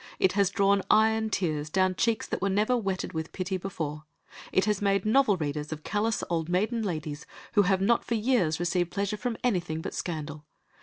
It has drawn iron tears down cheeks that were never wetted with pity before; it has made novel readers of callous old maiden ladies, who have not for years received pleasure from anything but scandal.